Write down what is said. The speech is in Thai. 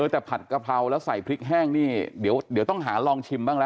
แต่ผัดกะเพราแล้วใส่พริกแห้งนี่เดี๋ยวต้องหาลองชิมบ้างละ